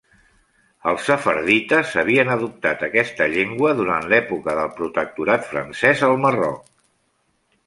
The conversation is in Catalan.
Els sefardites havien adoptat aquesta llengua durant l'època del protectorat francès al Marroc.